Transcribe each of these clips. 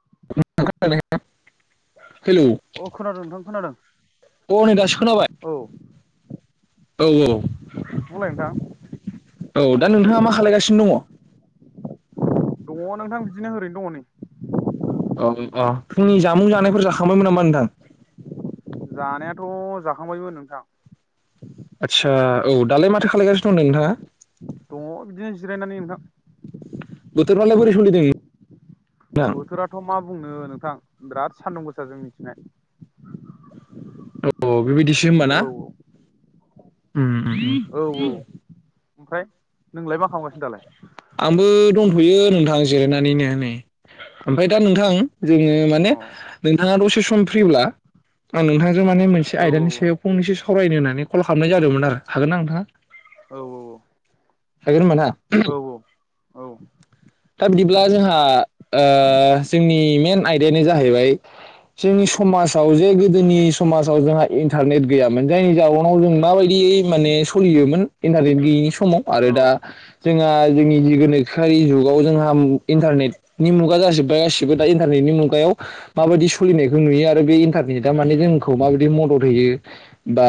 न। [unintelligible] अ खोनादों नोंथां खोनादों। अ नै दासो खोनाबाय। औ औ औ बुंलाय नोंथां औ दा नोंथाङा मा खालगासिनो दङ। दंङ नोंथां बिदिनो ओरैनो दङ नै। औ अ फुंनि जामुं जानायफोर जाखांबायमोन नामा नोंथां? जानायाथ' जाखांबायमोन नोंथां। आदसा औ दालाय माथो खालायगासिनो दं नोंथाङा? दंङ बिदिनो जिरायनानै नोंथां। बोथोर फ्रालाय बोरै सवलिदों? बोथोराथ' मा बुंनो नोंथां बिराद सान्दुं गोसा जोंनिथिं हाय। अ बेबायदिसो होमबा ना। उम उम औ औ ओमफ्राय नोंलाय मा खालामगासिनो दालाय? दंथ'यों नोंथां जिरायनानैंनो नै। ओमफ्राय दा नोंथां जोङो अ माने नोंथाङा दसे सम फ्रिब्ला आं नोंथां जों माने मोनसे औ आयदानि सायाव फंनैसो सावरायनो होननानै कल खालामनाय जादोंमोन आरो हागोन ना नोंथाङा? औ औ औ। हागोन होमबा ना। औ औ दा बिदिब्ला जोंहा जोंनि। मेन आयदायानो जाहैबाय। जोंनि समाजाव जे गोदोनि समाजाव जोंहा इन्टारनेट गैयामोन जायनि जाउनाव जों माबायदि? माने सोलियोमोन ईन्टारनेट गैयैनि समाव औ आरो दा। जोंहा जोंनि गोनोखोआरि जुगाव जोंहा इन्टारनेटनि मुगा जाजोब्बाय गासिबो दा। ईन्टारनेट नि मुगायाव माबायदि सलिनायखौ नुयो आरो बे ईन्टारनेटा माने जोंखौ माबायदि मदद होयो। बा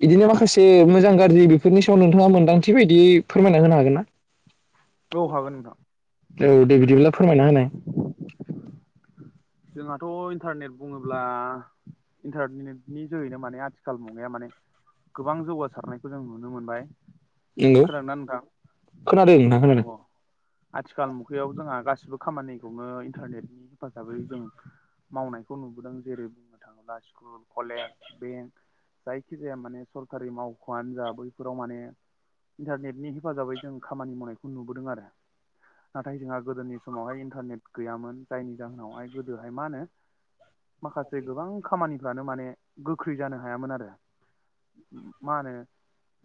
बिदिनो माखासे मोजां गाज्रि बेफोरनि सायाव नोंथाङा मोन्दांथि बायदि फोरमायना होनो हागोन ना? औ हागोन नोंथां औ दे बिदिब्ला फोरमायना होनाय। जोंहाथ' ईन्टारनेट बुङोब्ला ईन्टारनेटनि जोहैनो माने आथिखाल मुगाया माने। गोबां जौगासारनायखौ जों नुनो मोनबाय नंगौ खोनादोंना नोंथां? खोनादों नोंथां अ खोनादों आथिखाल मुगायाव जोंहा गासिबो। खामानिखौनो ईन्टारनेटनि हेफाजाबै। जों मावनायखौ नुबोदों जेरै बुंनो थाङोब्ला स्कुल कलेज बेंक। जायखिजाया माने सरकारि मावख'आनो जा बैफोराव माने। ईन्टारनेटनि हेफाजाबै जों खामानि मावनायखौ नुबोदों आरो। नाथाय जोंहा गोदोनि समावहाय ईन्टारनेट गैयामोन जायनि जाहोनावहाय। गोदोहाय मा होनो माखासे गोबां खामानि यानो माने गोख्रै जानो हायामोन आरो मा होनो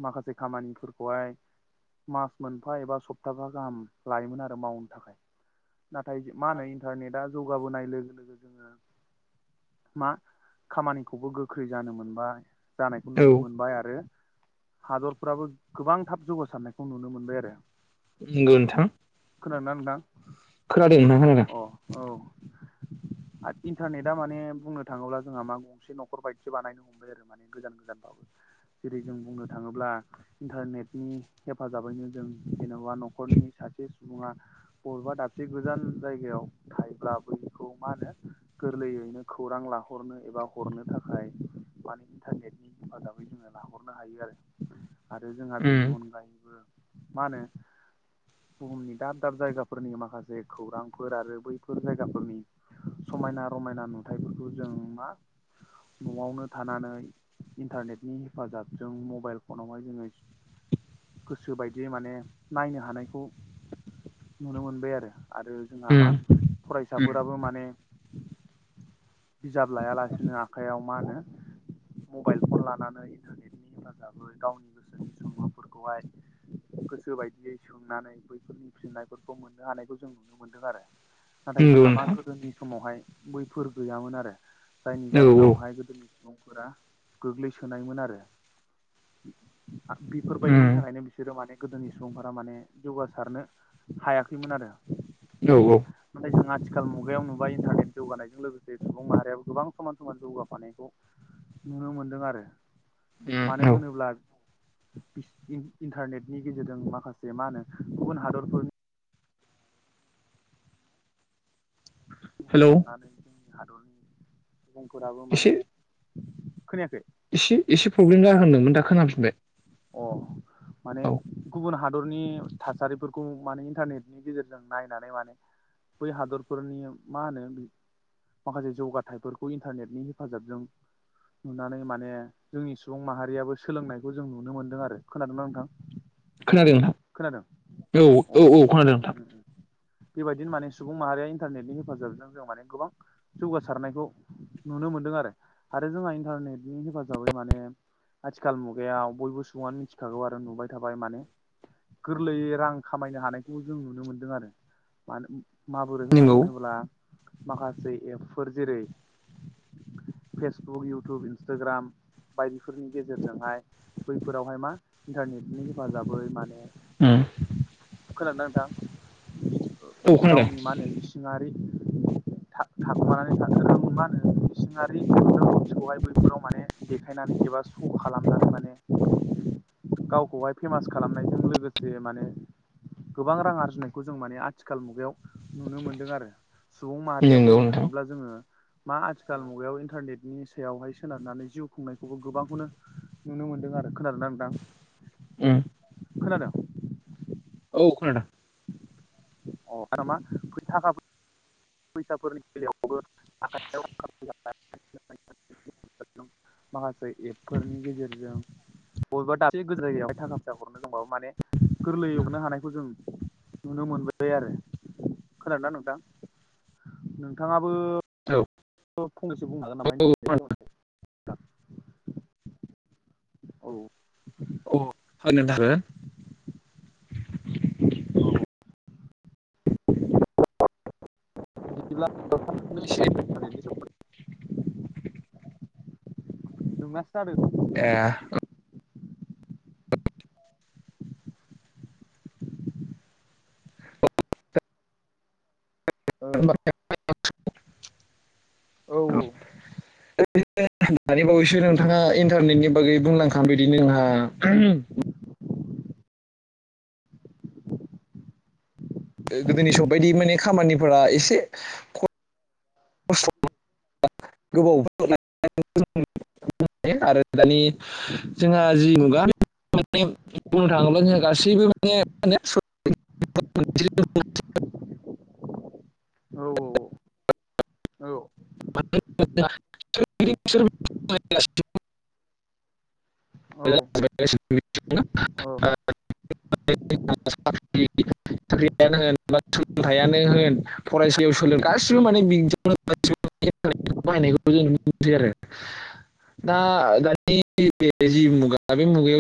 माखासे खामानिफोरखौहाय मास मोनफा एबा सप्ताहा गाहाम लायोमोन आरो मावनो थाखाय नाथाय मा होनो इन्टारनेटा जौगाबोनाय लोगो लोगो जोङो मा खामानिखौबो गोख्रै जानो मोनबाय जानायखौ औ नुनो मोनबाय आरो हादरफ्राबो गोबां थाब जौगासारनायखौ नुनो मोनबाय आरो नंगौ नोंथां खोनादोंना नोंथां? खोनादों नोंथां खोनादों? [inaudible] आरो इन्टारनेटा माने बुंनो थाङोब्ला जोंहा मा गंसे नखर बायदिस बानायनो हमबाय आरो माने गोजान गोजानबाबो जेरै जों बुंनो थाङोब्ला इन्टारनेटनि हेफाजाबैनो जों जेन'बा न'खरनि सासे सुबुङा बबेबा दाबसे गोजान जायगायाव थायोब्ला बखौ मा होनो गोरलैयैनो खौरां लाहरनो एबा हरनो थाखाय माने एन्टारगेटनि हेफाजाबै जोङो लाहरनो हायो आरो आरो जोंहा बेनि उम अनगायैबो मा होनो बुहुमनि दाब दाब जायगाफोरनि माखासे खौरांफोर आरो बैफोर जायगाफोरनि समायना रमायना नुथायफोरखौ जों मा न'आवनो थानानै इन्टारनेटनि हेफाजाबजों मबाइल फनावहाय जोङो गोसो बायदियै माने नायनो हानायखौ नुनो मोनबाय आरो आरो जोंहा मा उम फरायसाफोराबो माने बिजाब लायालासिनो आखाइयाव मा होनो मबाइल फन लानानै इन्टारनेट हेफाजाबै गावनि गोसोनि सफोरखौहाय गोसो बायदियै सोंनानै बैफोरनि फिननायफोरखौ मोननो हानायखौ जों नुनो मोनदों आरो नाथाय नंगौ जोंहा मा नोंथां गोदोनि समावहाय बैफोर गैयामोन आरो जायनि औ औ जाहोनावहाय गोदोनि सुबुंफोरा गोग्लैसोनायमोन आरो बेफोरबायदिनि उम थाखायनो बिसोरो माने गोदोनि सुबुंफोरा माने जौगासारनो हायाखैमोन आरो औ औ नाथाय जों आथिखाल मुगायाव नुबा इन्टारनेट जौगानायजों लोगोसे सुबुं माहारियाबो गोबां समान समान जौगाफानायखौ नुनो मोनदों आरो मानो उम औ होनोब्ला इन्टारनेटनि गेजेरजों माखासे मा होनो गुबुन हादरफोरनि [inaudible] नुनानै जोंनि हादरनि सुबुंफोराबो एसे माने खोनायाखै एसे एसे प्रब्लेम जाहांदोंमोन दा खोनाफिनबाय अ माने औ गुबुन हादर हादरनि थासारिफोरखौ माने इन्टारनेटनि गेजेरजों नायनानै माने बै हादरफोरनि मा होनो माखासे जौगाथायाइफोरखौ इन्टारनेटनि हेफाजाबजों नुनानै माने जोंनि सुबुं माहारियाबो सोलोंनायखौ जों नुनो मोन्दों आरो खोनादोंना नोंथां खोनादों नोंथां खोनादों औ अ औ औ खोनादों उम नोंथां उम उम बेबायदिनो माने सुबुं माहारिया इन्टारनेटनि हेफाजाबजों जों माने गोबां जौगासारनायखौ नुनो मोन दों आरो जोंहा इन्टारनेटनि हेफाजाबै माने आथिखाल मुगायाव बयबो सुबुङानो मिथिखागौ आरो नुबाय थाबाय माने गोरलैयै रां खामायनो हानायखौ जों नुनो मोनदों आरो मानो माबोरैहाय नंगौ होनोब्ला माखासे एपफोर जेरै फेसबुक इउटुब इन्सटाग्राम बायदिफोरनि गेजेरजोंहाय बैफोरावहाय मा इन्टारनेटनि हेफाजाबै माने उम खोनादोंना नोंथां? औ खोनादों गावनि मा होनो इसिङारि [unintelligible] बिखौहाय बैफोराव माने देखायनानै एबा श' खालामनानै माने गावखौहाय फेमास खालामनायजों लोगोसे माने गोबां रां आरजिनायखौ जों माने आथिखाल मुगायाव नुनो मोनदों आरो। सुबुं माहारिया नंगौ बुंनो नोंथां थाङोब्ला जोङो मा आथिखाल मुगायाव इन्टारनेटनि सायावहाय सोनारनानै जिउ खुंनायखौबो गोबांखौनो नुनो मोन्दों आरो खोनादोंना नोंथां? ओम। खोनादों? औ खोनादों। आरो मा थाला फै फैसाफोर [unintelligible] माखासे एपफोरनि गेजेरजों बबेबा दाबसे गोजान जायगायावहाय थाखा फैसा हरनो नंबाबो माने गोरलै हरनो हानायखौ जों नुनो मोनबोबाय आरो। खोनादोंना नोंथां नोंथाङाबो औ फंनैसो बुंनो हागोन नामा औ इन्टारनेटनि सोमोन्दै। औ। [unintelligible] औ [inaudible] एसे [unintelligible] [unintelligible] एह औ [inaudible] औ औ। [unintelligible] दानि बावैसो नोंथाङा इनतारनेटनि बागै बुंलांखा बिदिनो आंहा गोदोनि समाव बायदि माने खामानिफोरा एसे ख [unintelligible] आरो दानि जोंहा जि मुगा माने बुंनो थाङोब्ला जोंहा गासैबो माने म [inaudible] औ-औ-औ। [unintelligible] [unintelligible] [unintelligible] [unintelligible] औ औ थायानो होन फरायसालियाव सोलों गासैबो माने [unintelligible] बाहायनायखौ जों नुनो मोनसै आरो दा दानि बे जि मुगा बे मुगायाव